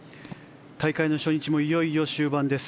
大会の初日もいよいよ終盤です。